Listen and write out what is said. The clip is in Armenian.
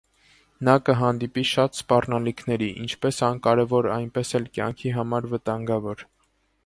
Նա կհանդիպի շատ սպառնալիքների, ինչպես անկարևոր, այնպես էլ կյանքի համար վտանգավոր։